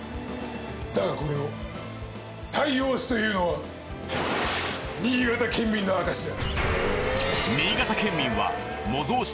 だがこれをタイヨウシと言うのは新潟県民の証しだ！